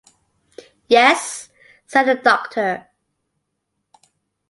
“Yes,” said the Doctor.